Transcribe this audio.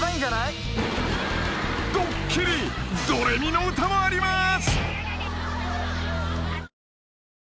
［ドッキリ『ドレミのうた』もあります］